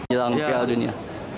jalan ke dunia